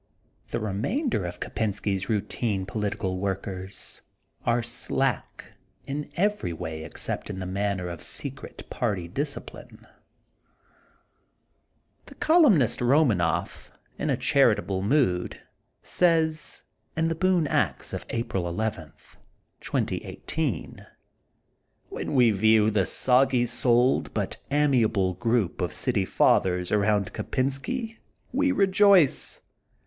The remainde of Kopensky 's routine political workers are slack in every way ex cept in th^ matter of secret party discipUne. The columnist Eomanoff in a charitable mood says, in the Boone Ax for April 11, THE GOLDEN BOOK OF SPRINGFIELD 105 2018: — "When we view the soggy souled but amiable group of city fathers around Kopen sky, we rejoice.